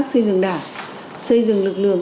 khi tham gia giao thông